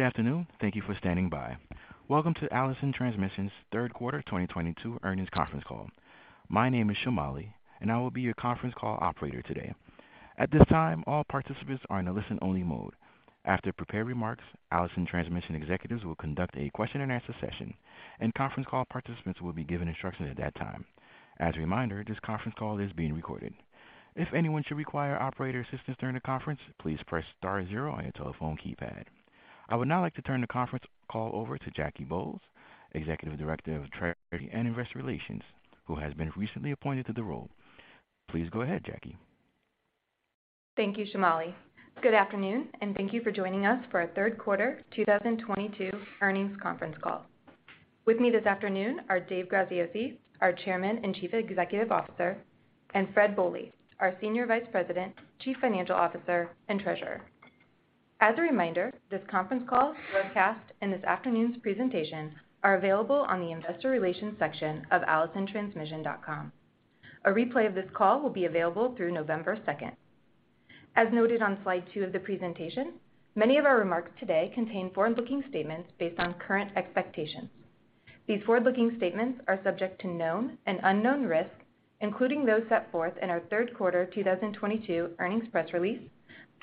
Good afternoon. Thank you for standing by. Welcome to Allison Transmission's third quarter 2022 earnings conference call. My name is Shamali, and I will be your conference call operator today. At this time, all participants are in a listen-only mode. After prepared remarks, Allison Transmission executives will conduct a question and answer session, and conference call participants will be given instructions at that time. As a reminder, this conference call is being recorded. If anyone should require operator assistance during the conference, please press star zero on your telephone keypad. I would now like to turn the conference call over to Jackie Bolles, Executive Director, Treasury and Investor Relations, who has been recently appointed to the role. Please go ahead, Jackie. Thank you, Shamali. Good afternoon, and thank you for joining us for our third quarter 2022 earnings conference call. With me this afternoon are Dave Graziosi, our Chairman and Chief Executive Officer, and Fred Bohley, our Senior Vice President, Chief Financial Officer, and Treasurer. As a reminder, this conference call, webcast, and this afternoon's presentation are available on the investor relations section of allisontransmission.com. A replay of this call will be available through November 2nd. As noted on slide 2 of the presentation, many of our remarks today contain forward-looking statements based on current expectations. These forward-looking statements are subject to known and unknown risks, including those set forth in our third quarter 2022 earnings press release,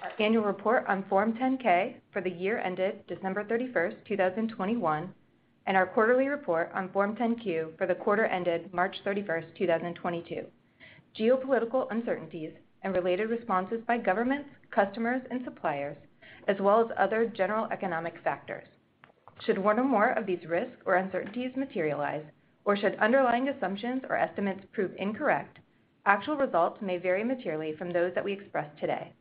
our annual report on Form 10-K for the year ended December 31st, 2021, and our quarterly report on Form 10-Q for the quarter ended March 31st, 2022, geopolitical uncertainties and related responses by governments, customers, and suppliers, as well as other general economic factors. Should one or more of these risks or uncertainties materialize, or should underlying assumptions or estimates prove incorrect, actual results may vary materially from those that we express today.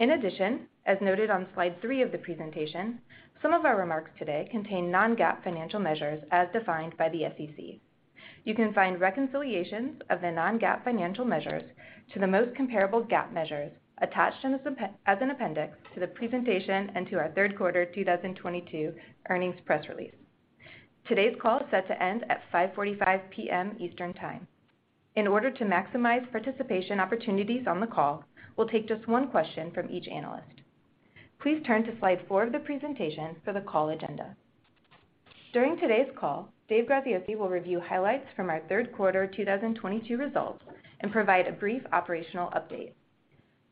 In addition, as noted on slide 3 of the presentation, some of our remarks today contain non-GAAP financial measures as defined by the SEC. You can find reconciliations of the non-GAAP financial measures to the most comparable GAAP measures attached as an appendix to the presentation and to our third quarter 2022 earnings press release. Today's call is set to end at 5:45 P.M. Eastern Time. In order to maximize participation opportunities on the call, we'll take just one question from each analyst. Please turn to slide 4 of the presentation for the call agenda. During today's call, Dave Graziosi will review highlights from our third quarter 2022 results and provide a brief operational update.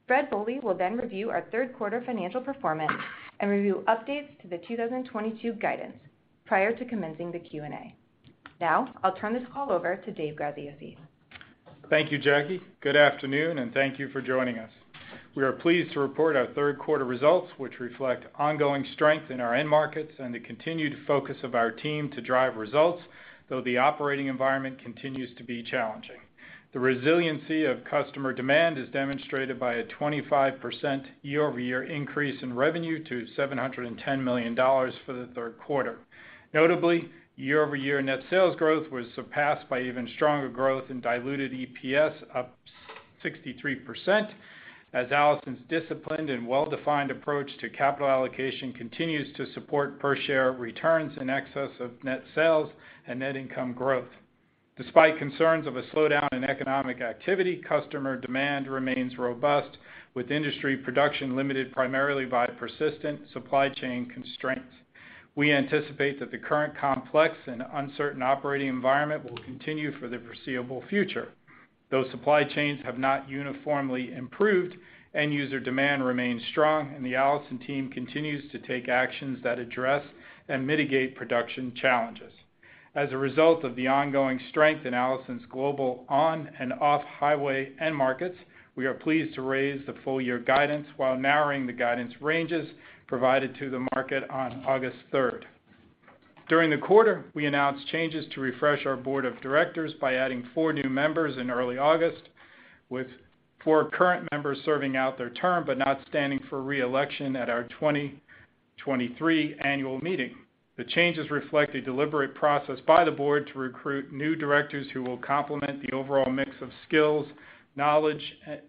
Fred Bohley will then review our third quarter financial performance and review updates to the 2022 guidance prior to commencing the Q&A. Now, I'll turn this call over to Dave Graziosi. Thank you, Jackie. Good afternoon, and thank you for joining us. We are pleased to report our third quarter results, which reflect ongoing strength in our end markets and the continued focus of our team to drive results, though the operating environment continues to be challenging. The resiliency of customer demand is demonstrated by a 25% year-over-year increase in revenue to $710 million for the third quarter. Notably, year-over-year net sales growth was surpassed by even stronger growth in diluted EPS, up 63%, as Allison's disciplined and well-defined approach to capital allocation continues to support per share returns in excess of net sales and net income growth. Despite concerns of a slowdown in economic activity, customer demand remains robust, with industry production limited primarily by persistent supply chain constraints. We anticipate that the current complex and uncertain operating environment will continue for the foreseeable future. Though supply chains have not uniformly improved, end user demand remains strong, and the Allison team continues to take actions that address and mitigate production challenges. As a result of the ongoing strength in Allison's global on and off highway end markets, we are pleased to raise the full year guidance while narrowing the guidance ranges provided to the market on August third. During the quarter, we announced changes to refresh our board of directors by adding four new members in early August, with four current members serving out their term but not standing for re-election at our 2023 annual meeting. The changes reflect a deliberate process by the board to recruit new directors who will complement the overall mix of skills, knowledge,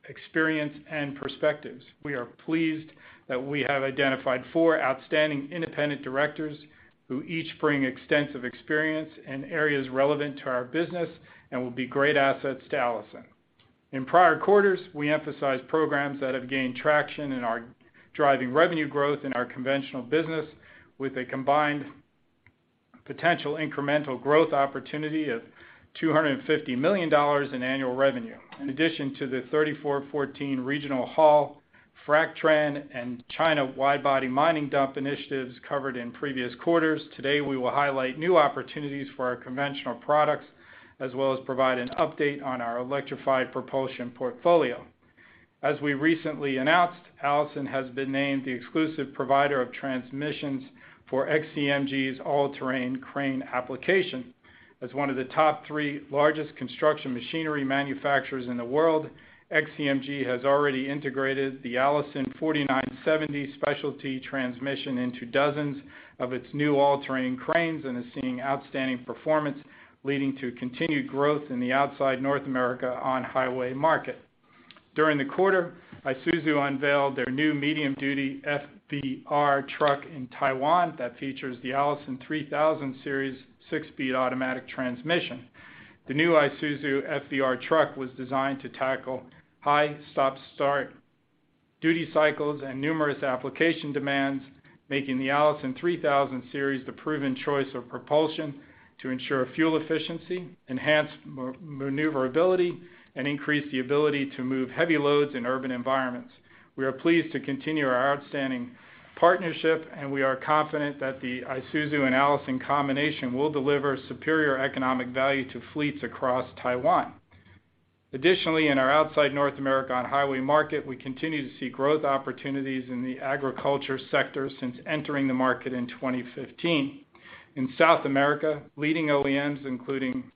experience, and perspectives. We are pleased that we have identified four outstanding independent directors who each bring extensive experience in areas relevant to our business and will be great assets to Allison. In prior quarters, we emphasized programs that have gained traction in our driving revenue growth in our conventional business with a combined potential incremental growth opportunity of $250 million in annual revenue. In addition to the 3414 Regional Haul, FracTran, and China wide-body mining dump initiatives covered in previous quarters, today we will highlight new opportunities for our conventional products as well as provide an update on our electrified propulsion portfolio. As we recently announced, Allison has been named the exclusive provider of transmissions for XCMG's All-Terrain Crane application. As one of the top three largest construction machinery manufacturers in the world, XCMG has already integrated the Allison 4970 Specialty Series into dozens of its new All-Terrain Cranes and is seeing outstanding performance, leading to continued growth in the outside North America on-highway market. During the quarter, Isuzu unveiled their new medium-duty FVR Truck in Taiwan that features the Allison 3000 Series six-speed automatic transmission. The new Isuzu FVR Truck was designed to tackle high stop-start duty cycles and numerous application demands, making the Allison 3000 Series the proven choice of propulsion to ensure fuel efficiency, enhance maneuverability, and increase the ability to move heavy loads in urban environments. We are pleased to continue our outstanding partnership, and we are confident that the Isuzu and Allison combination will deliver superior economic value to fleets across Taiwan. Additionally, in our outside North America on-highway market, we continue to see growth opportunities in the agriculture sector since entering the market in 2015. In South America, leading OEMs, including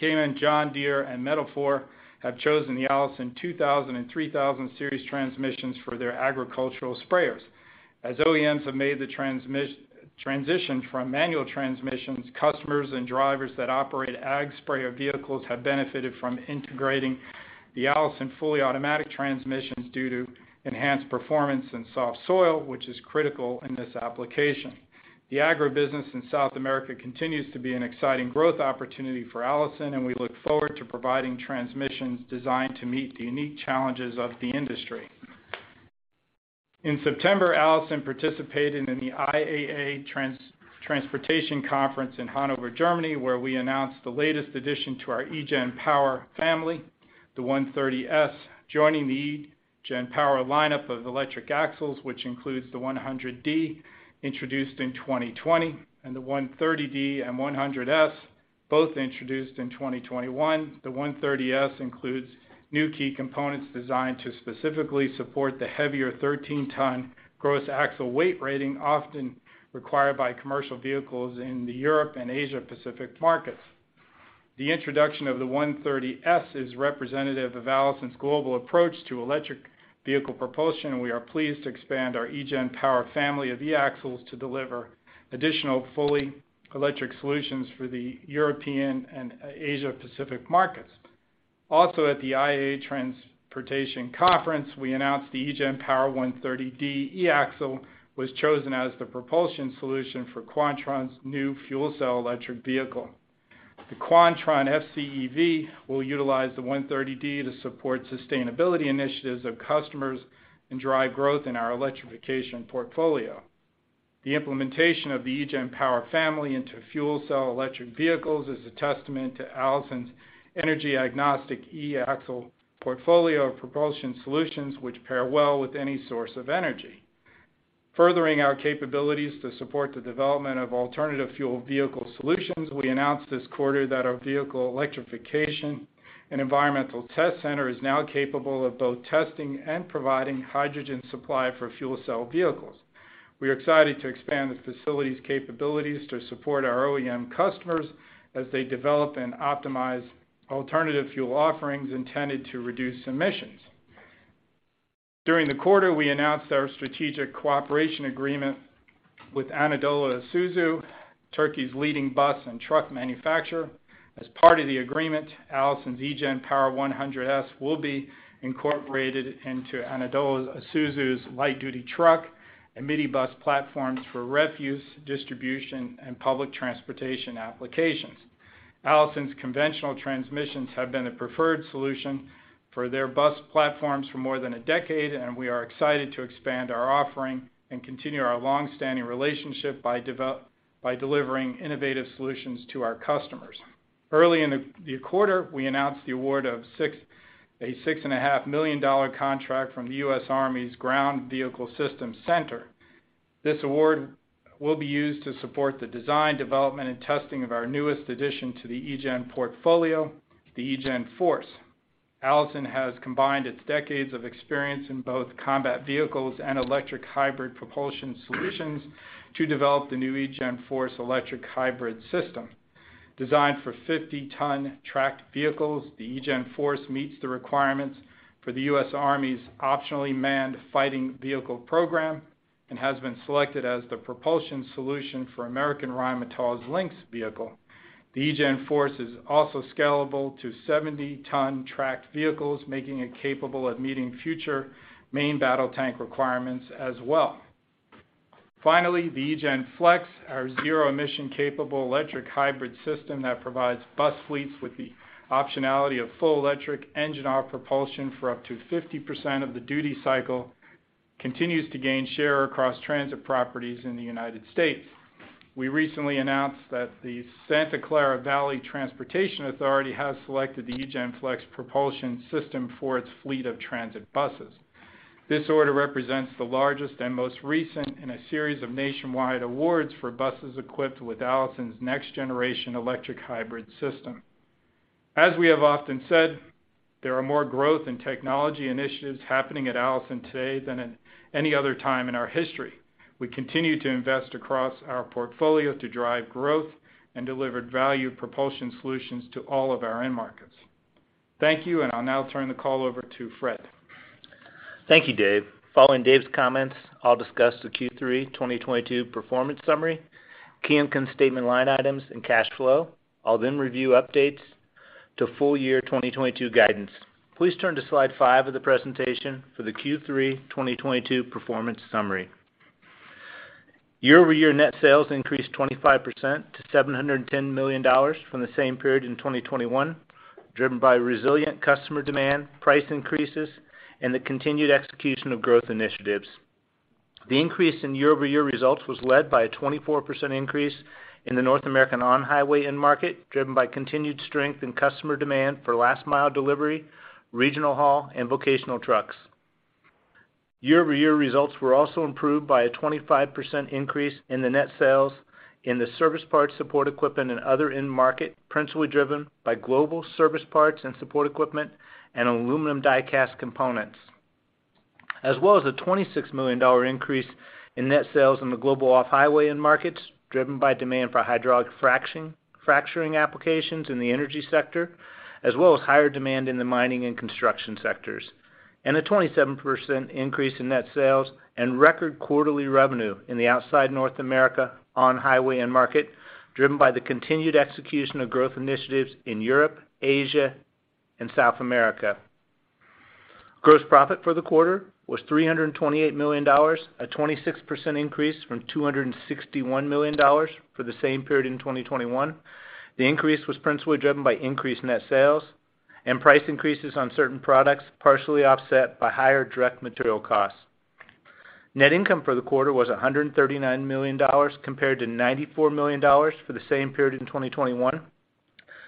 Caiman, John Deere, and Metalfor, have chosen the Allison 2000 and 3000 Series transmissions for their agricultural sprayers. As OEMs have made the transition from manual transmissions, customers and drivers that operate ag sprayer vehicles have benefited from integrating the Allison fully automatic transmissions due to enhanced performance in soft soil, which is critical in this application. The agribusiness in South America continues to be an exciting growth opportunity for Allison, and we look forward to providing transmissions designed to meet the unique challenges of the industry. In September, Allison participated in the IAA Transportation Conference in Hanover, Germany, where we announced the latest addition to our eGen Power family, the 130S, joining the eGen Power lineup of electric axles, which includes the 100D, introduced in 2020, and the 130D and 100S, both introduced in 2021. The 130S includes new key components designed to specifically support the heavier 13-ton gross axle weight rating often required by commercial vehicles in the European and Asia-Pacific markets. The introduction of the 130S is representative of Allison's global approach to electric vehicle propulsion, and we are pleased to expand our eGen Power family of e-axles to deliver additional fully electric solutions for the European and Asia-Pacific markets. Also at the IAA Transportation Conference, we announced the eGen Power 130D e-axle was chosen as the propulsion solution for Quantron's new fuel cell electric vehicle. The Quantron FCEV will utilize the 130D to support sustainability initiatives of customers and drive growth in our electrification portfolio. The implementation of the eGen Power family into fuel cell electric vehicles is a testament to Allison's energy-agnostic e-axle portfolio of propulsion solutions, which pair well with any source of energy. Furthering our capabilities to support the development of alternative fuel vehicle solutions, we announced this quarter that our Vehicle Electrification and Environmental Test Center is now capable of both testing and providing hydrogen supply for fuel cell vehicles. We are excited to expand the facility's capabilities to support our OEM customers as they develop and optimize alternative fuel offerings intended to reduce emissions. During the quarter, we announced our strategic cooperation agreement with Anadolu Isuzu, Turkey's leading bus and truck manufacturer. As part of the agreement, Allison's eGen Power 100S will be incorporated into Anadolu Isuzu's light-duty truck and midi bus platforms for refuse, distribution, and public transportation applications. Allison's conventional transmissions have been a preferred solution for their bus platforms for more than a decade, and we are excited to expand our offering and continue our long-standing relationship by delivering innovative solutions to our customers. Early in the quarter, we announced the award of a $6.5 million contract from the U.S. Army's Ground Vehicle Systems Center. This award will be used to support the design, development, and testing of our newest addition to the eGen portfolio, the eGen Force. Allison has combined its decades of experience in both combat vehicles and electric hybrid propulsion solutions to develop the new eGen Force electric hybrid system. Designed for 50-ton tracked vehicles, the eGen Force meets the requirements for the U.S. Army's Optionally Manned Fighting Vehicle program and has been selected as the propulsion solution for American Rheinmetall Vehicles' Lynx vehicle. The eGen Force is also scalable to 70-ton tracked vehicles, making it capable of meeting future main battle tank requirements as well. Finally, the eGen Flex, our zero-emission capable electric hybrid system that provides bus fleets with the optionality of full electric engine or propulsion for up to 50% of the duty cycle, continues to gain share across transit properties in the United States. We recently announced that the Santa Clara Valley Transportation Authority has selected the eGen Flex propulsion system for its fleet of transit buses. This order represents the largest and most recent in a series of nationwide awards for buses equipped with Allison's next generation electric hybrid system. As we have often said, there are more growth and technology initiatives happening at Allison today than at any other time in our history. We continue to invest across our portfolio to drive growth and deliver value propulsion solutions to all of our end markets. Thank you, and I'll now turn the call over to Fred. Thank you, Dave. Following Dave's comments, I'll discuss the Q3 2022 performance summary, key income statement line items, and cash flow. I'll then review updates to full year 2022 guidance. Please turn to slide 5 of the presentation for the Q3 2022 performance summary. Year-over-year net sales increased 25% to $710 million from the same period in 2021, driven by resilient customer demand, price increases, and the continued execution of growth initiatives. The increase in year-over-year results was led by a 24% increase in the North American on-highway end market, driven by continued strength in customer demand for last mile delivery, regional haul, and vocational trucks. Year-over-year results were also improved by a 25% increase in the net sales in the service parts, support equipment, and other end market, principally driven by global service parts and support equipment and aluminum die-cast components. A $26 million increase in net sales in the global off-highway end markets, driven by demand for hydraulic fracturing applications in the energy sector, as well as higher demand in the mining and construction sectors, and a 27% increase in net sales and record quarterly revenue in the outside North America on-highway end market, driven by the continued execution of growth initiatives in Europe, Asia, and South America. Gross profit for the quarter was $328 million, a 26% increase from $261 million for the same period in 2021. The increase was principally driven by increased net sales and price increases on certain products, partially offset by higher direct material costs. Net income for the quarter was $139 million compared to $94 million for the same period in 2021.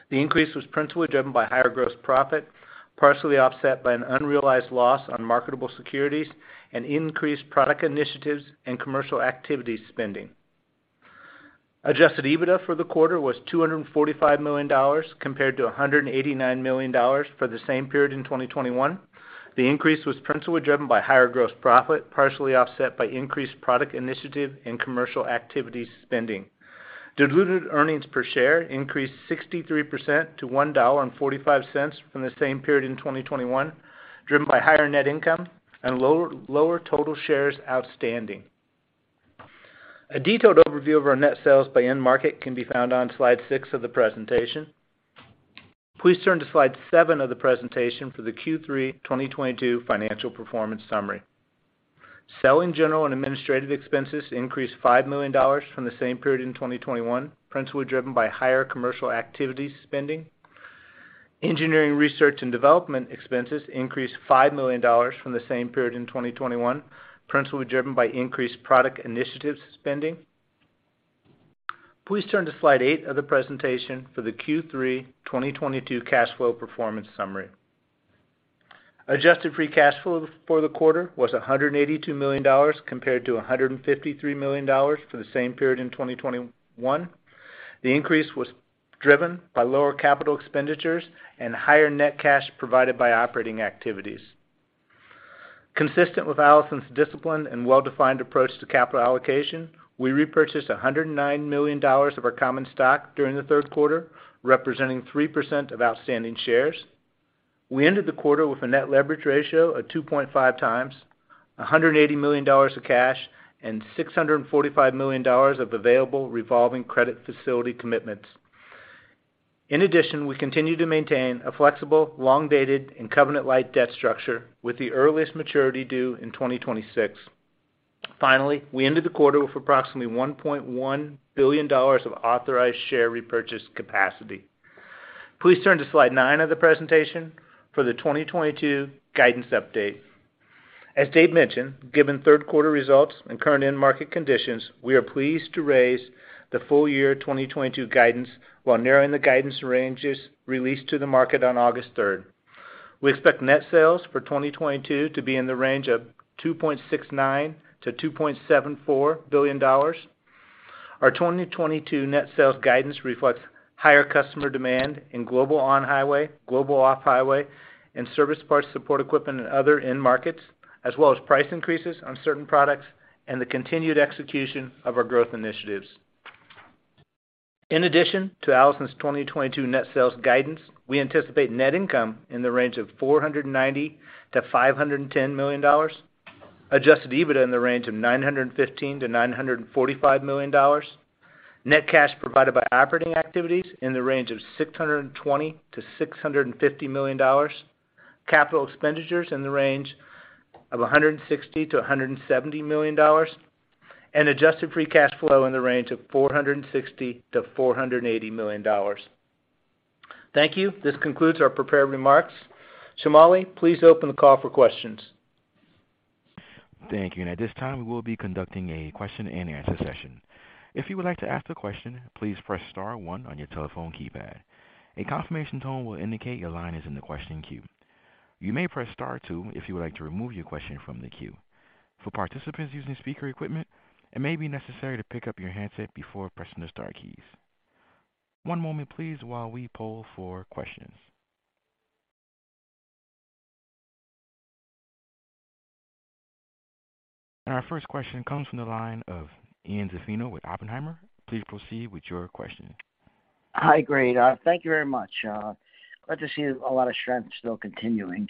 The increase was principally driven by higher gross profit, partially offset by an unrealized loss on marketable securities and increased product initiatives and commercial activity spending. Adjusted EBITDA for the quarter was $245 million compared to $189 million for the same period in 2021. The increase was principally driven by higher gross profit, partially offset by increased product initiative and commercial activity spending. Diluted earnings per share increased 63% to $1.45 from the same period in 2021, driven by higher net income and lower total shares outstanding. A detailed overview of our net sales by end market can be found on slide 6 of the presentation. Please turn to slide 7 of the presentation for the Q3 2022 financial performance summary. Selling, general, and administrative expenses increased $5 million from the same period in 2021, principally driven by higher commercial activity spending. Engineering, research, and development expenses increased $5 million from the same period in 2021, principally driven by increased product initiatives spending. Please turn to slide 8 of the presentation for the Q3 2022 cash flow performance summary. Adjusted free cash flow for the quarter was $182 million compared to $153 million for the same period in 2021. The increase was driven by lower capital expenditures and higher net cash provided by operating activities. Consistent with Allison's discipline and well-defined approach to capital allocation, we repurchased $109 million of our common stock during the third quarter, representing 3% of outstanding shares. We ended the quarter with a net leverage ratio of 2.5x, $180 million of cash and $645 million of available revolving credit facility commitments. In addition, we continue to maintain a flexible, long-dated, and covenant light debt structure with the earliest maturity due in 2026. Finally, we ended the quarter with approximately $1.1 billion of authorized share repurchase capacity. Please turn to slide 9 of the presentation for the 2022 guidance update. As Dave mentioned, given third quarter results and current end market conditions, we are pleased to raise the full-year 2022 guidance while narrowing the guidance ranges released to the market on August 3rd. We expect net sales for 2022 to be in the range of $2.69 billion-$2.74 billion. Our 2022 net sales guidance reflects higher customer demand in global on-highway, global off-highway, and service parts, support equipment, and other end markets, as well as price increases on certain products and the continued execution of our growth initiatives. In addition to Allison's 2022 net sales guidance, we anticipate net income in the range of $490 million-$510 million, Adjusted EBITDA in the range of $915 million-$945 million, net cash provided by operating activities in the range of $620 million-$650 million, capital expenditures in the range of $160 million-$170 million, and adjusted free cash flow in the range of $460 million-$480 million. Thank you. This concludes our prepared remarks. Shamali, please open the call for questions. Thank you. At this time, we will be conducting a question-and-answer session. If you would like to ask a question, please press star one on your telephone keypad. A confirmation tone will indicate your line is in the question queue. You may press star two if you would like to remove your question from the queue. For participants using speaker equipment, it may be necessary to pick up your handset before pressing the star keys. One moment please while we poll for questions. Our first question comes from the line of Ian Zaffino with Oppenheimer. Please proceed with your question. Hi, great. Thank you very much. Glad to see a lot of strength still continuing.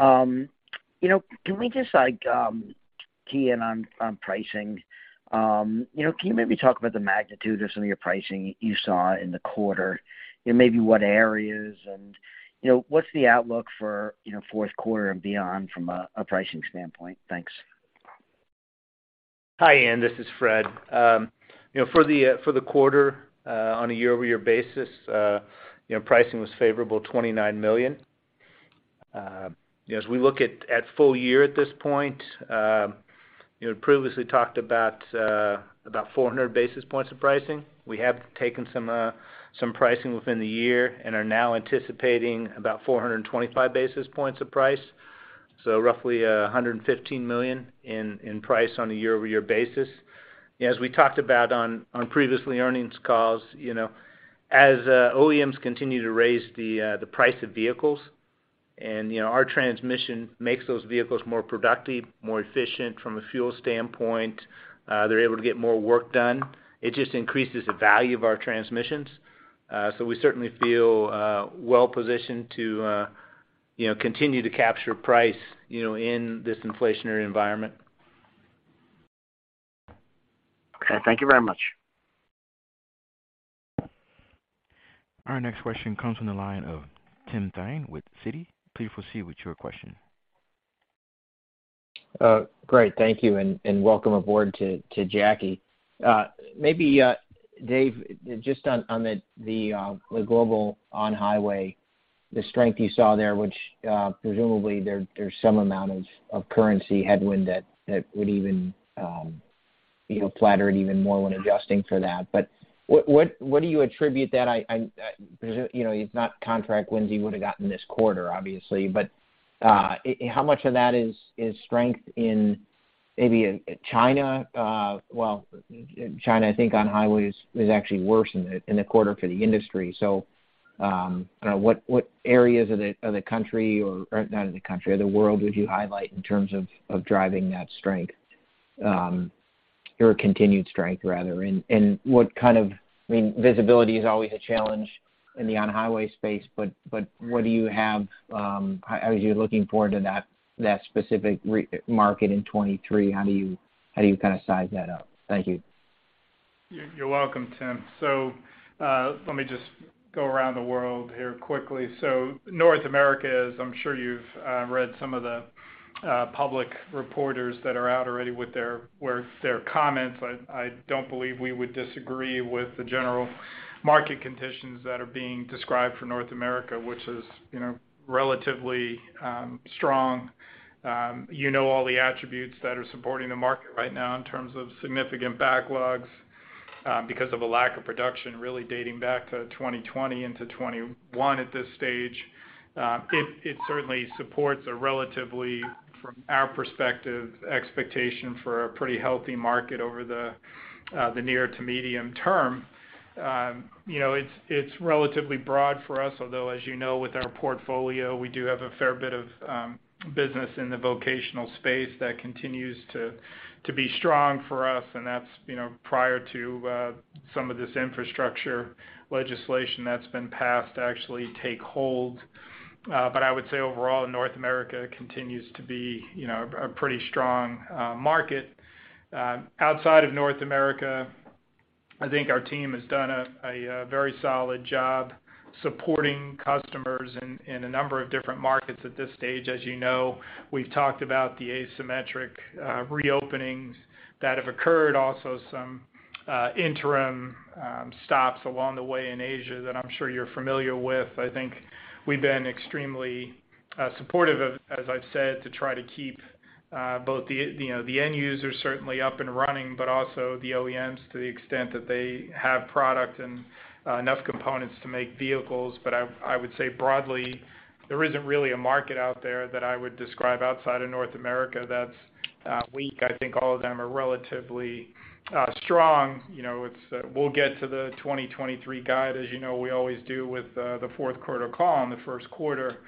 You know, can we just like key in on pricing? You know, can you maybe talk about the magnitude of some of your pricing you saw in the quarter and maybe what areas and, you know, what's the outlook for, you know, fourth quarter and beyond from a pricing standpoint? Thanks. Hi, Ian, this is Fred. You know, for the quarter, on a year-over-year basis, you know, pricing was favorable $29 million. You know, as we look at full year at this point, you know, previously talked about about 400 basis points of pricing. We have taken some pricing within the year and are now anticipating about 425 basis points of price. Roughly $115 million in price on a year-over-year basis. As we talked about on previous earnings calls, you know, as OEMs continue to raise the price of vehicles and, you know, our transmission makes those vehicles more productive, more efficient from a fuel standpoint, they're able to get more work done. It just increases the value of our transmissions. We certainly feel well positioned to, you know, continue to capture price, you know, in this inflationary environment. Okay. Thank you very much. Our next question comes from the line of Tim Thein with Citi. Please proceed with your question. Great. Thank you and welcome aboard to Jackie. Maybe, Dave, just on the global on-highway, the strength you saw there, which, presumably, there's some amount of currency headwind that would even, you know, flatter it even more when adjusting for that. What do you attribute that? You know, it's not contract wins you would have gotten this quarter, obviously, but how much of that is strength, maybe in China? Well, China, I think on highways is actually worse in the quarter for the industry. What areas of the world would you highlight in terms of driving that strength, or continued strength rather? What kind of—I mean, visibility is always a challenge in the on-highway space, but what do you have as you're looking forward to that specific market in 2023? How do you kind of size that up? Thank you. You're welcome, Tim. Let me just go around the world here quickly. North America, as I'm sure you've read some of the public reports that are out already with their comments. I don't believe we would disagree with the general market conditions that are being described for North America, which is, you know, relatively strong. You know all the attributes that are supporting the market right now in terms of significant backlogs because of a lack of production really dating back to 2020 into 2021 at this stage. It certainly supports a relatively, from our perspective, expectation for a pretty healthy market over the near to medium term. You know, it's relatively broad for us, although, as you know, with our portfolio, we do have a fair bit of business in the vocational space that continues to be strong for us. That's, you know, prior to some of this infrastructure legislation that's been passed to actually take hold. I would say overall, North America continues to be, you know, a pretty strong market. Outside of North America, I think our team has done a very solid job supporting customers in a number of different markets at this stage. As you know, we've talked about the asymmetric reopenings that have occurred, also some interim stops along the way in Asia that I'm sure you're familiar with. I think we've been extremely supportive of, as I've said, to try to keep both the, you know, the end users certainly up and running, but also the OEMs to the extent that they have product and enough components to make vehicles. I would say broadly, there isn't really a market out there that I would describe outside of North America that's weak. I think all of them are relatively strong. You know, it's we'll get to the 2023 guide, as you know, we always do with the fourth quarter call in the first quarter.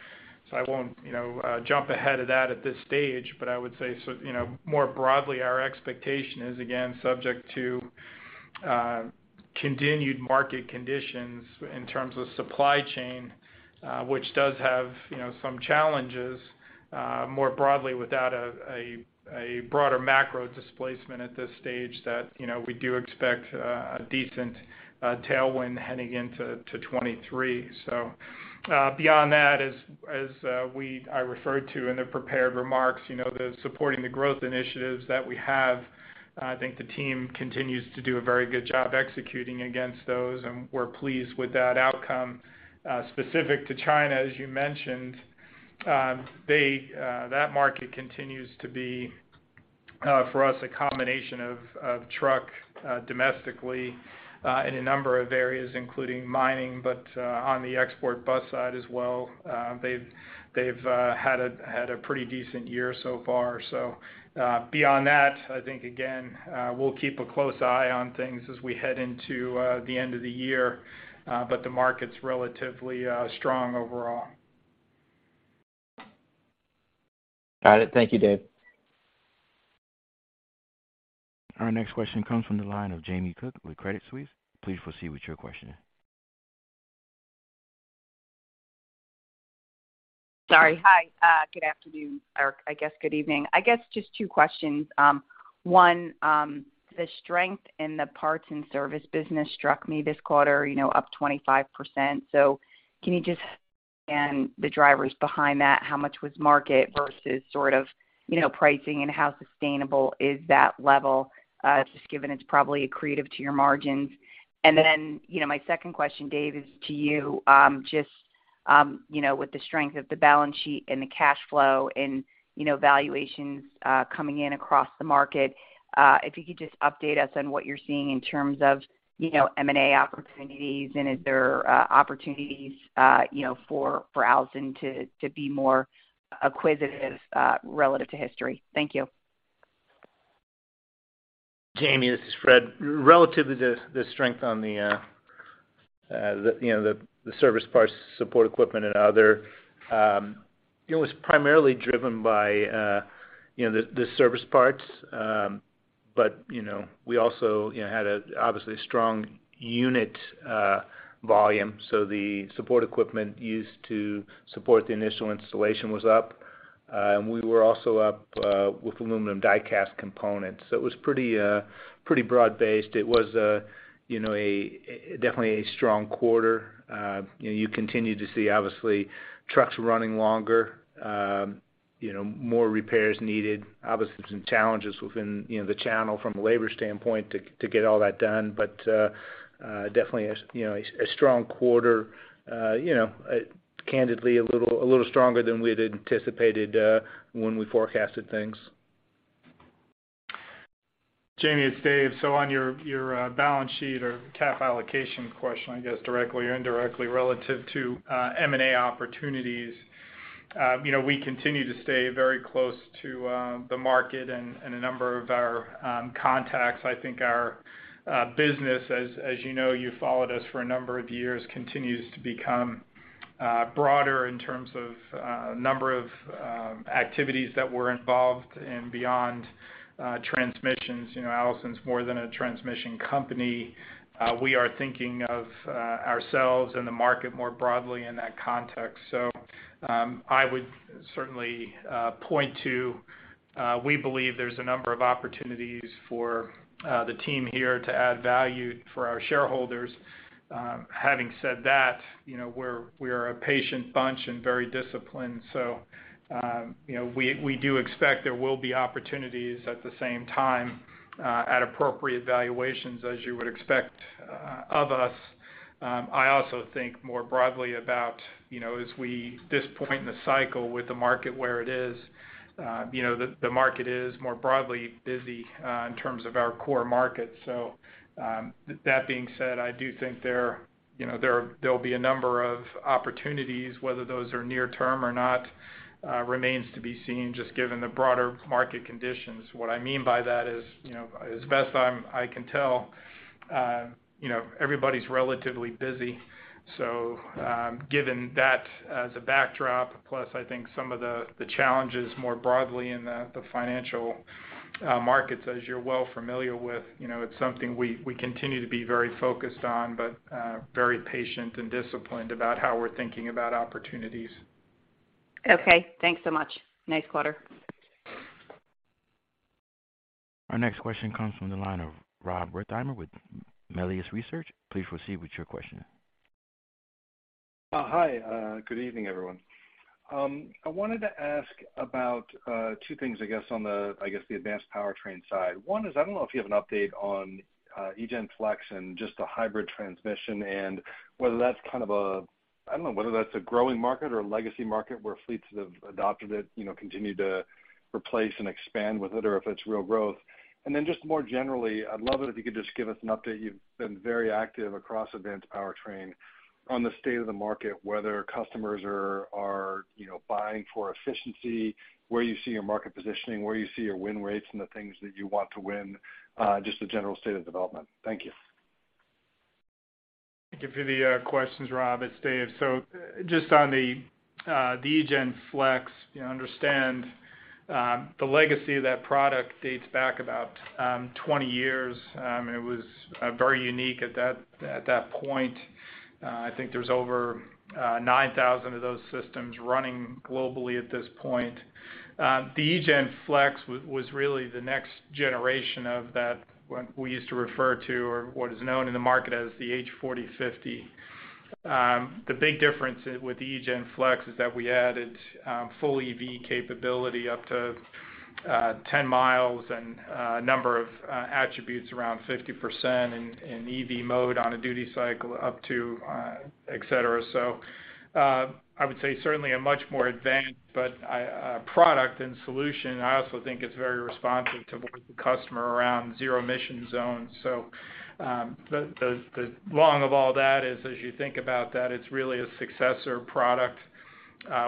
So I won't, you know, jump ahead of that at this stage. I would say, so, you know, more broadly, our expectation is again, subject to continued market conditions in terms of supply chain, which does have, you know, some challenges, more broadly without a broader macro displacement at this stage that, you know, we do expect a decent tailwind heading into 2023. So, beyond that, as I referred to in the prepared remarks, you know, supporting the growth initiatives that we have, I think the team continues to do a very good job executing against those, and we're pleased with that outcome. Specific to China, as you mentioned, that market continues to be for us, a combination of truck domestically in a number of areas, including mining, but on the export bus side as well. They've had a pretty decent year so far. Beyond that, I think again, we'll keep a close eye on things as we head into the end of the year. The market's relatively strong overall. Got it. Thank you, Dave. Our next question comes from the line of Jamie Cook with Credit Suisse. Please proceed with your question. Sorry. Hi. Good afternoon, or I guess good evening. I guess just two questions. One, the strength in the parts and service business struck me this quarter, you know, up 25%. Can you just- The drivers behind that, how much was market versus sort of, you know, pricing and how sustainable is that level, just given it's probably accretive to your margins. My second question, Dave, is to you, just, you know, with the strength of the balance sheet and the cash flow and, you know, valuations coming in across the market, if you could just update us on what you're seeing in terms of, you know, M&A opportunities and is there opportunities, you know, for Allison to be more acquisitive, relative to history? Thank you. Jamie, this is Fred. Relative to the strength on the, you know, the service parts, support equipment and other, it was primarily driven by, you know, the service parts. You know, we also, you know, had a, obviously, strong unit volume. The support equipment used to support the initial installation was up. We were also up, with aluminum die-cast components. It was pretty broad-based. It was, you know, definitely a strong quarter. You know, you continue to see, obviously, trucks running longer, you know, more repairs needed. Obviously, some challenges within, you know, the channel from a labor standpoint to get all that done. Definitely, you know, a strong quarter, you know, candidly a little stronger than we had anticipated when we forecasted things. Jamie, it's Dave. On your balance sheet or capital allocation question, I guess, directly or indirectly relative to M&A opportunities, you know, we continue to stay very close to the market and a number of our contacts. I think our business, as you know, you followed us for a number of years, continues to become broader in terms of number of activities that we're involved in beyond transmissions. You know, Allison's more than a transmission company. We are thinking of ourselves and the market more broadly in that context. I would certainly point to we believe there's a number of opportunities for the team here to add value for our shareholders. Having said that, you know, we're a patient bunch and very disciplined. You know, we do expect there will be opportunities at the same time, at appropriate valuations, as you would expect, of us. I also think more broadly about, you know, this point in the cycle with the market where it is, you know, the market is more broadly busy, in terms of our core market. That being said, I do think there, you know, there'll be a number of opportunities, whether those are near term or not, remains to be seen just given the broader market conditions. What I mean by that is, you know, as best I can tell, you know, everybody's relatively busy. Given that as a backdrop, plus I think some of the challenges more broadly in the financial markets, as you're well familiar with, you know, it's something we continue to be very focused on, but very patient and disciplined about how we're thinking about opportunities. Okay, thanks so much. Nice quarter. Our next question comes from the line of Rob Wertheimer with Melius Research. Please proceed with your question. Hi. Good evening, everyone. I wanted to ask about two things, I guess, on the advanced powertrain side. One is, I don't know if you have an update on eGen Flex and just the hybrid transmission and whether that's kind of a, I don't know, whether that's a growing market or a legacy market where fleets that have adopted it, you know, continue to replace and expand with it or if it's real growth. Then just more generally, I'd love it if you could just give us an update. You've been very active across advanced powertrain on the state of the market, whether customers are, you know, buying for efficiency, where you see your market positioning, where you see your win rates and the things that you want to win, just the general state of development. Thank you. Thank you for the questions, Rob. It's Dave. Just on the eGen Flex, you understand the legacy of that product dates back about 20 years. It was very unique at that point. I think there's over 9,000 of those systems running globally at this point. The eGen Flex was really the next generation of that, what we used to refer to or what is known in the market as the H 40/50. The big difference with the eGen Flex is that we added full EV capability up to 10 mi and a number of attributes around 50% in EV mode on a duty cycle up to et cetera. I would say certainly a much more advanced product and solution. I also think it's very responsive to what the customer around zero-emission zones. The long of all that is, as you think about that, it's really a successor product.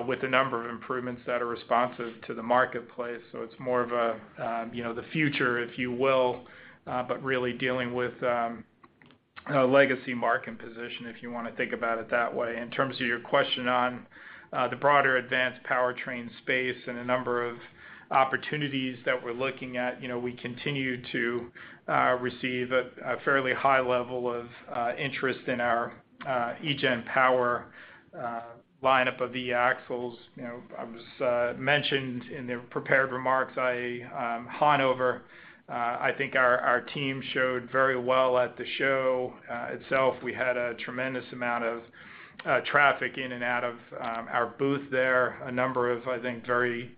With a number of improvements that are responsive to the marketplace. It's more of a you know the future, if you will, but really dealing with a legacy market and position, if you wanna think about it that way. In terms of your question on the broader advanced powertrain space and a number of opportunities that we're looking at, you know, we continue to receive a fairly high level of interest in our eGen Power lineup of e-axles. You know, I mentioned in the prepared remarks. Hanover, I think our team showed very well at the show itself. We had a tremendous amount of traffic in and out of our booth there. A number of, I think, very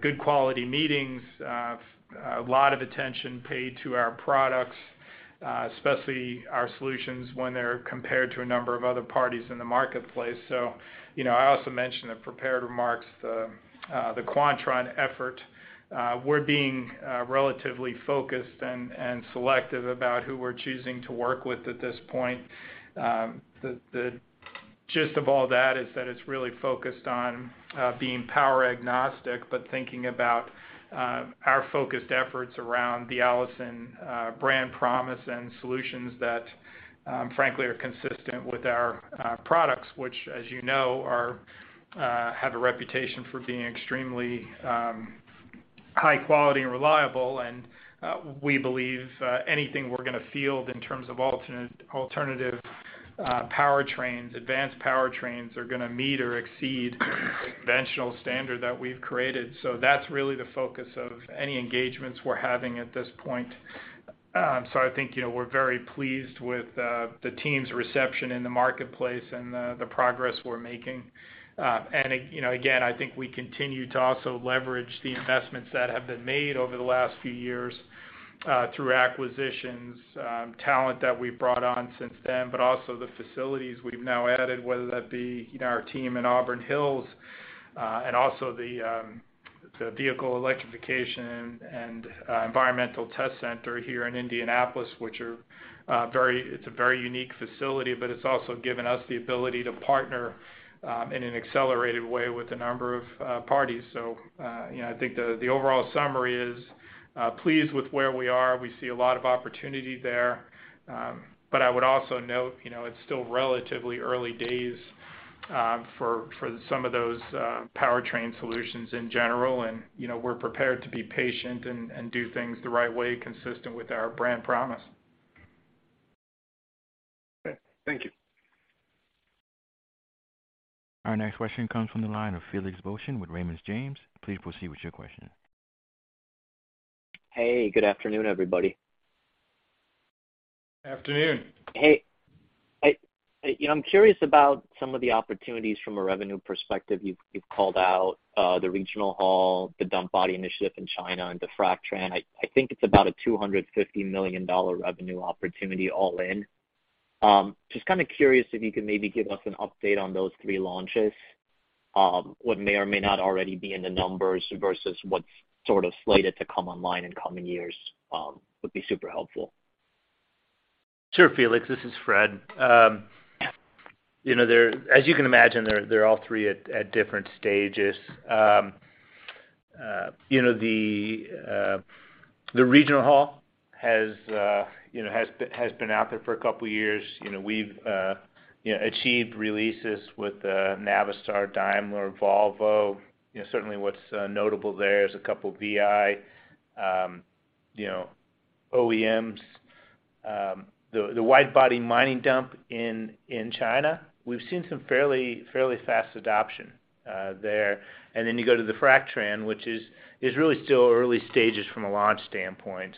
good quality meetings. A lot of attention paid to our products, especially our solutions when they're compared to a number of other parties in the marketplace. You know, I also mentioned the prepared remarks, the Quantron effort. We're being relatively focused and selective about who we're choosing to work with at this point. The gist of all that is that it's really focused on being power agnostic, but thinking about our focused efforts around the Allison brand promise and solutions that, frankly, are consistent with our products, which, as you know, have a reputation for being extremely high quality and reliable. We believe anything we're gonna field in terms of alternative powertrains, advanced powertrains, are gonna meet or exceed conventional standard that we've created. That's really the focus of any engagements we're having at this point. I think, you know, we're very pleased with the team's reception in the marketplace and the progress we're making. you know, again, I think we continue to also leverage the investments that have been made over the last few years, through acquisitions, talent that we've brought on since then, but also the facilities we've now added, whether that be, you know, our team in Auburn Hills, and also the Vehicle Electrification and Environmental Test Center here in Indianapolis, which is a very unique facility, but it's also given us the ability to partner in an accelerated way with a number of parties. You know, I think overall, I'm pleased with where we are. We see a lot of opportunity there. I would also note, you know, it's still relatively early days for some of those powertrain solutions in general. You know, we're prepared to be patient and do things the right way, consistent with our brand promise. Okay. Thank you. Our next question comes from the line of Felix Boeschen with Raymond James. Please proceed with your question. Hey, good afternoon, everybody. Afternoon. Hey, you know, I'm curious about some of the opportunities from a revenue perspective. You've called out the regional haul, the dump body initiative in China, and the FracTran. I think it's about a $250 million revenue opportunity all in. Just kinda curious if you could maybe give us an update on those three launches, what may or may not already be in the numbers versus what's sort of slated to come online in coming years, would be super helpful. Sure, Felix, this is Fred. You know, there as you can imagine, they're all three at different stages. You know, the regional haul has been out there for a couple years. You know, we've achieved releases with Navistar, Daimler, Volvo. You know, certainly what's notable there is a couple VI OEMs. The wide-body mining dump in China, we've seen some fairly fast adoption there. Then you go to the FracTran, which is really still early stages from a launch standpoint.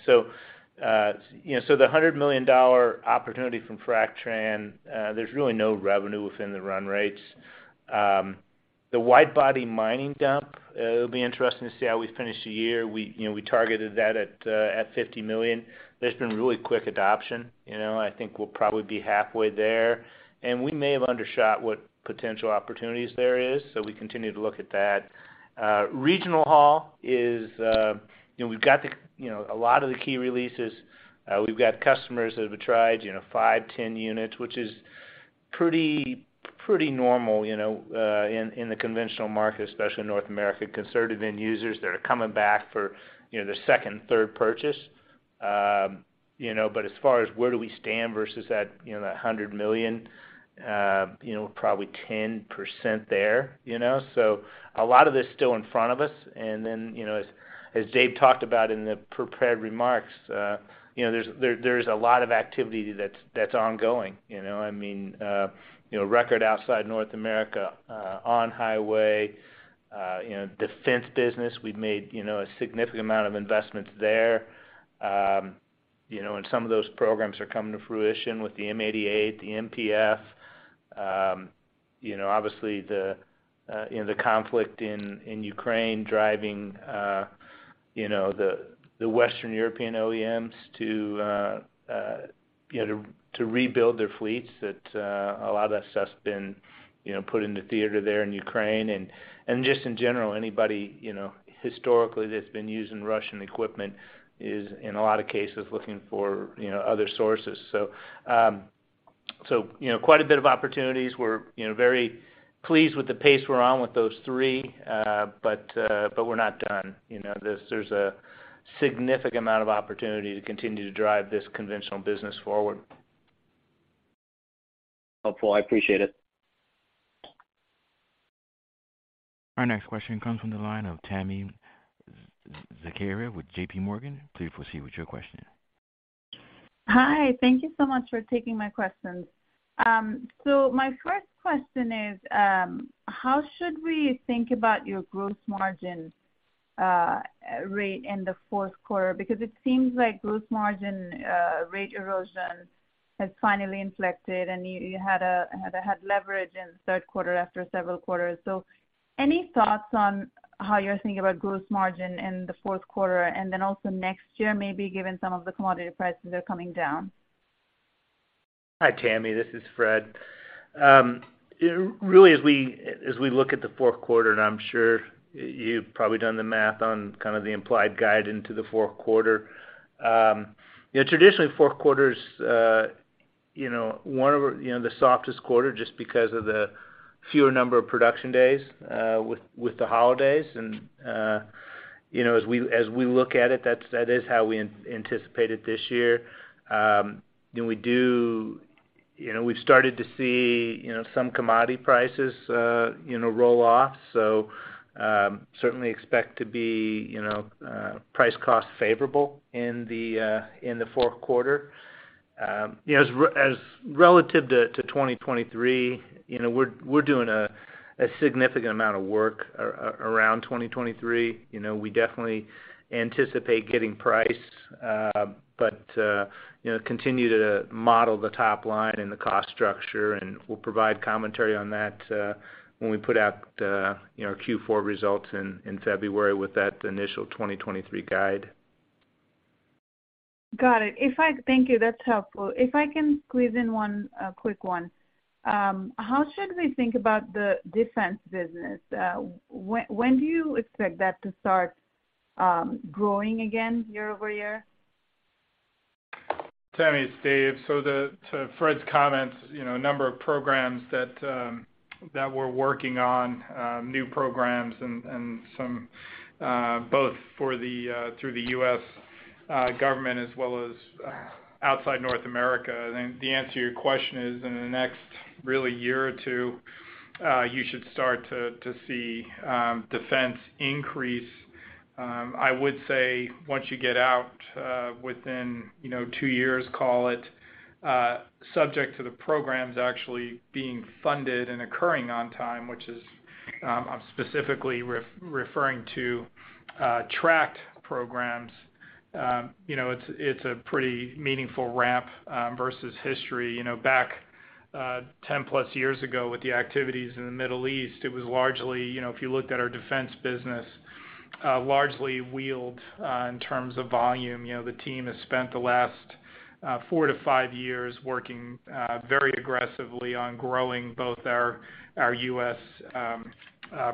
You know, the $100 million opportunity from FracTran, there's really no revenue within the run rates. The wide-body mining dump, it'll be interesting to see how we finish the year. We targeted that at $50 million. There's been really quick adoption. You know, I think we'll probably be halfway there. We may have undershot what potential opportunities there is, so we continue to look at that. Regional haul is, you know, we've got a lot of the key releases. We've got customers that have tried, you know, five, 10 units, which is pretty normal, you know, in the conventional market, especially in North America. Conservative end users that are coming back for, you know, their second, third purchase. You know, but as far as where do we stand versus that, you know, that $100 million, you know, probably 10% there, you know. A lot of this still in front of us. Then, you know, as Dave talked about in the prepared remarks, you know, there's a lot of activity that's ongoing. You know, I mean, you know, record outside North America, on highway, you know, defense business, we've made, you know, a significant amount of investments there. You know, and some of those programs are coming to fruition with the M88, the MPF. You know, obviously the, you know, the conflict in Ukraine driving, you know, the Western European OEMs to, you know, to rebuild their fleets that a lot of that stuff's been, you know, put into theater there in Ukraine. And just in general, anybody, you know, historically that's been using Russian equipment is, in a lot of cases, looking for, you know, other sources. You know, quite a bit of opportunities. We're, you know, very pleased with the pace we're on with those three, but we're not done. You know, there's a significant amount of opportunity to continue to drive this conventional business forward. Helpful. I appreciate it. Our next question comes from the line of Tami Zakaria with JPMorgan. Please proceed with your question. Hi. Thank you so much for taking my questions. My first question is, how should we think about your gross margin rate in the fourth quarter? Because it seems like gross margin rate erosion has finally inflected, and you had leverage in the third quarter after several quarters. Any thoughts on how you're thinking about gross margin in the fourth quarter and then also next year, maybe given some of the commodity prices are coming down? Hi, Tami. This is Fred. Really, as we look at the fourth quarter, I'm sure you've probably done the math on kind of the implied guide into the fourth quarter. You know, traditionally, fourth quarter's one of the softest quarter just because of the fewer number of production days with the holidays. You know, as we look at it, that is how we anticipate it this year. We do. You know, we've started to see some commodity prices roll off. Certainly expect to be price-cost favorable in the fourth quarter. You know, as relative to 2023, we're doing a significant amount of work around 2023. You know, we definitely anticipate getting price, but you know, continue to model the top line and the cost structure, and we'll provide commentary on that when we put out you know, Q4 results in February with that initial 2023 guide. Got it. Thank you. That's helpful. If I can squeeze in one quick one. How should we think about the defense business? When do you expect that to start growing again year-over-year? Tami, it's Dave. To Fred's comments, you know, a number of programs that we're working on, new programs and some both for the through the U.S. government as well as outside North America. I think the answer to your question is in the next really year or two, you should start to see defense increase. I would say once you get out within, you know, two years, call it, subject to the programs actually being funded and occurring on time, which is, I'm specifically referring to tracked programs. You know, it's a pretty meaningful ramp versus history. You know, back 10+ years ago with the activities in the Middle East, it was largely, you know, if you looked at our defense business, largely wheeled in terms of volume. You know, the team has spent the last four-five years working very aggressively on growing both our U.S.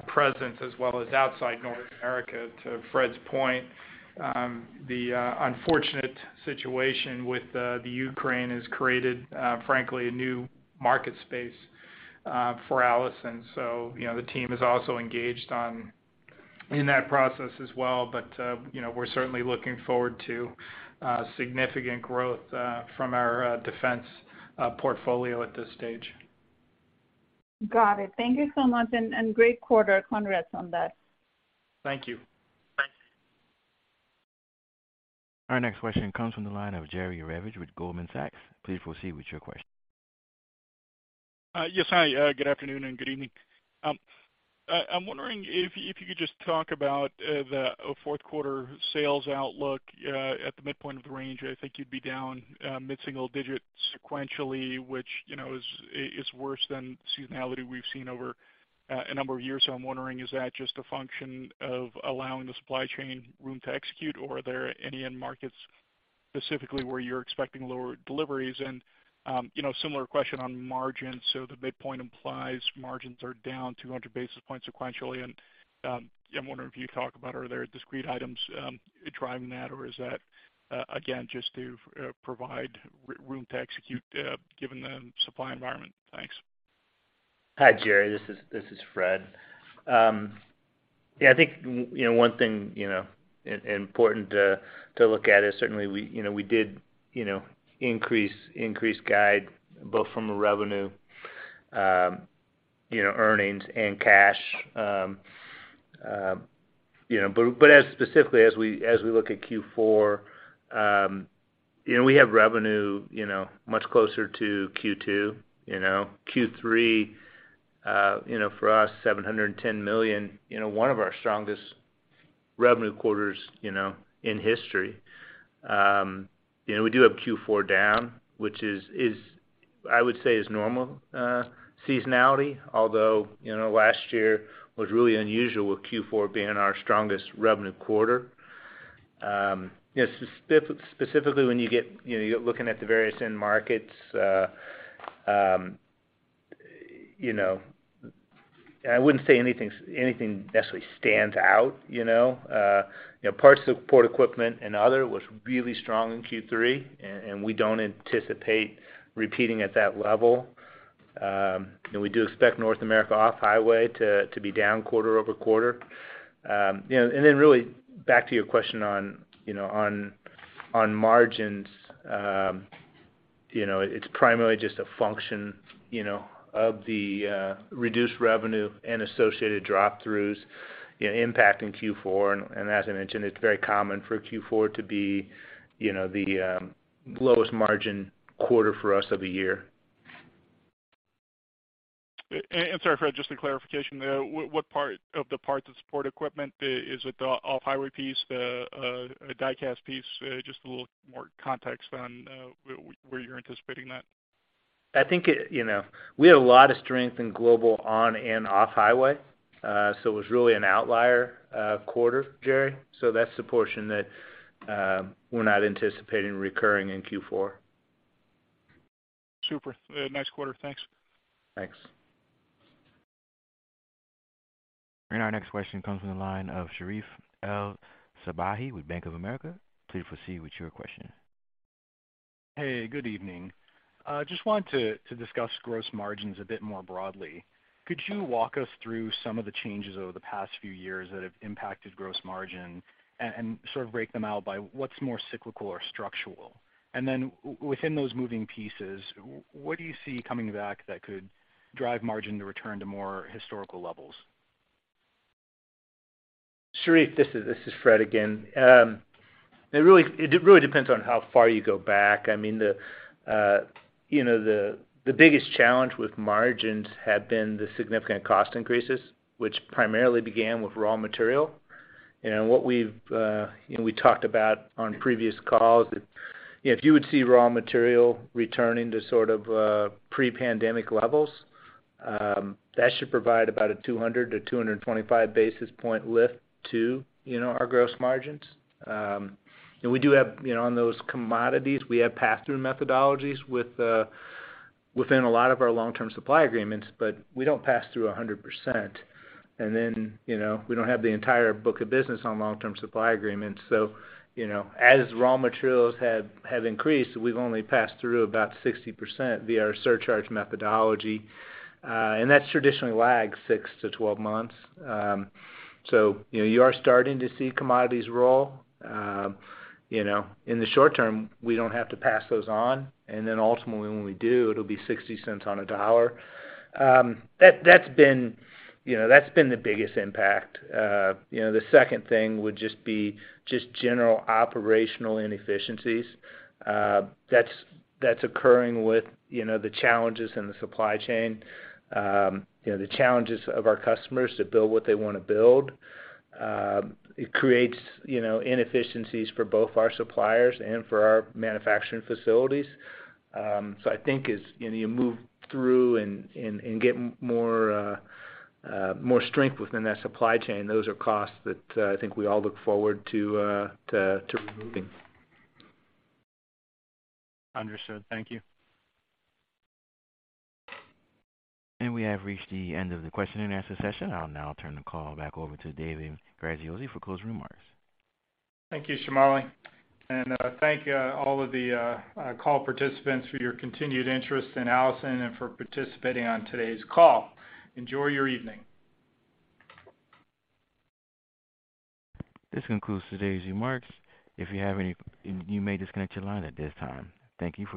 presence as well as outside North America. To Fred's point, the unfortunate situation with the Ukraine has created, frankly, a new market space for Allison. You know, the team is also engaged in that process as well. You know, we're certainly looking forward to significant growth from our defense portfolio at this stage. Got it. Thank you so much, and great quarter. Congrats on that. Thank you. Thanks. Our next question comes from the line of Jerry Revich with Goldman Sachs. Please proceed with your question. Yes. Hi. Good afternoon and good evening. I'm wondering if you could just talk about the fourth quarter sales outlook. At the midpoint of the range, I think you'd be down mid-single digit sequentially, which, you know, is worse than seasonality we've seen over a number of years. I'm wondering, is that just a function of allowing the supply chain room to execute, or are there any end markets specifically where you're expecting lower deliveries? You know, similar question on margins. The midpoint implies margins are down 200 basis points sequentially. I'm wondering if you could talk about, are there discrete items driving that, or is that again just to provide room to execute given the supply environment? Thanks. Hi, Jerry. This is Fred. Yeah, I think one thing important to look at is certainly we did increase guidance both from a revenue earnings and cash. But as specifically as we look at Q4, we have revenue much closer to Q2. Q3 for us, $710 million, one of our strongest revenue quarters in history. We do have Q4 down, which is I would say is normal seasonality. Although last year was really unusual with Q4 being our strongest revenue quarter. Specifically when you get, you know, you're looking at the various end markets, you know. I wouldn't say anything necessarily stands out, you know. Parts, port equipment and other was really strong in Q3, and we don't anticipate repeating at that level. We do expect North America off-highway to be down quarter-over-quarter. You know, and then really back to your question on margins, you know, it's primarily just a function, you know, of the reduced revenue and associated drop-throughs impacting Q4. As I mentioned, it's very common for Q4 to be, you know, the lowest margin quarter for us of the year. Sorry, Fred, just a clarification there. What part of the parts of support equipment is it, the off-highway piece, the diecast piece? Just a little more context on where you're anticipating that. I think. You know, we had a lot of strength in global on and off highway, so it was really an outlier quarter, Jerry. That's the portion that we're not anticipating recurring in Q4. Super. Nice quarter. Thanks. Thanks. Our next question comes from the line of Sherif El-Sabbahy with Bank of America. Please proceed with your question. Hey, good evening. Just wanted to discuss gross margins a bit more broadly. Could you walk us through some of the changes over the past few years that have impacted gross margin and sort of break them out by what's more cyclical or structural? Then within those moving pieces, what do you see coming back that could drive margin to return to more historical levels? Sherif, this is Fred again. It really depends on how far you go back. I mean, you know, the biggest challenge with margins have been the significant cost increases which primarily began with raw material. You know, what we've, you know, we talked about on previous calls. You know, if you would see raw material returning to sort of pre-pandemic levels, that should provide about a 200-225 basis point lift to, you know, our gross margins. And we do have, you know, on those commodities, we have pass-through methodologies within a lot of our long-term supply agreements, but we don't pass through 100%. You know, we don't have the entire book of business on long-term supply agreements. You know, as raw materials have increased, we've only passed through about 60% via our surcharge methodology, and that traditionally lags six-12 months. You know, you are starting to see commodities roll. You know, in the short term, we don't have to pass those on, and then ultimately when we do, it'll be 60 cents on a dollar. That, that's been, you know, that's been the biggest impact. You know, the second thing would just be general operational inefficiencies, that's occurring with, you know, the challenges in the supply chain. You know, the challenges of our customers to build what they wanna build. It creates, you know, inefficiencies for both our suppliers and for our manufacturing facilities. I think as you know you move through and get more strength within that supply chain, those are costs that I think we all look forward to removing. Understood. Thank you. We have reached the end of the question and answer session. I'll now turn the call back over to David Graziosi for closing remarks. Thank you, Shamali. Thank all of the call participants for your continued interest in Allison and for participating on today's call. Enjoy your evening. This concludes today's remarks. If you have any, you may disconnect your line at this time. Thank you for your participation.